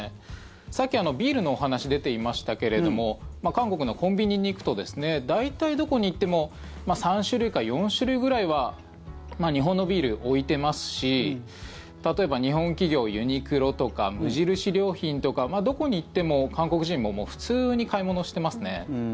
さっき、ビールのお話出ていましたけれども韓国のコンビニに行くと大体どこに行っても３種類か４種類ぐらいは日本のビールを置いてますし例えば日本企業ユニクロとか無印良品とかどこに行っても、韓国人も普通に買い物してますね。